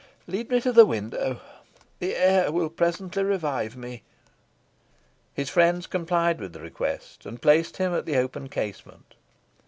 Lead me to the window. The air will presently revive me." His friends complied with the request, and placed him at the open casement.